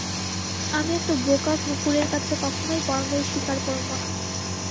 আমি একটা বোকা কুকুরের কাছে কখনোই পরাজয় স্বীকার করবো না।